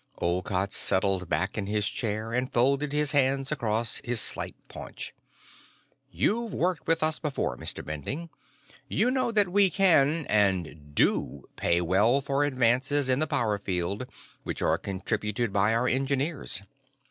Olcott settled back in his chair and folded his hands across his slight paunch. "You've worked with us before, Mr. Bending; you know that we can and do pay well for advances in the power field which are contributed by our engineers.